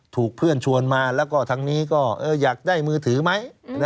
ถูกเพื่อนชวนมาแล้วก็ทางนี้ก็อยากได้มือถือไหม